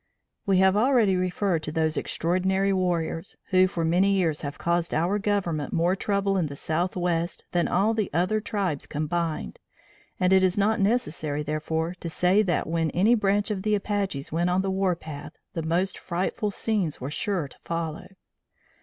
We have already referred to those extraordinary warriors, who, for many years have caused our Government more trouble in the southwest than all the other tribes combined, and it is not necessary, therefore, to say that when any branch of the Apaches went on the war path the most frightful scenes were sure to follow.